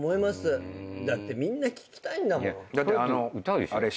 だってみんな聞きたいんだもん。